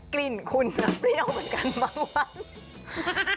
กลิ่นคุณจะเปรี้ยวเหมือนกันบ้าง